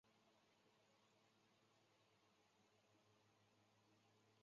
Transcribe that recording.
短齿爪哇假糙苏为唇形科假糙苏属下的一个变种。